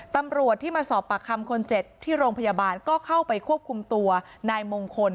ตำรวจที่มาสอบปากคำคนเจ็บที่โรงพยาบาลก็เข้าไปควบคุมตัวนายมงคล